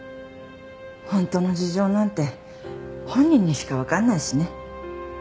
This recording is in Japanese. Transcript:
本当の事情なんて本人にしかわかんないしね。